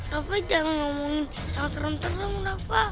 rafa jangan ngomongin yang serem serem rafa